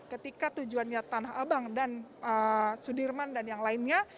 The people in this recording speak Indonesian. ketika tujuannya tanah abang dan sudirman dan yang lainnya